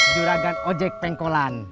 juragan ojek pengkolan